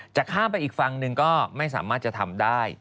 จะข้ามไปอีกฝั่งหนึ่งก็ไม่สามารถจะทำได้